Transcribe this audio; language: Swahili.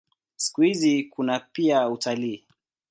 Siku hizi kuna pia utalii.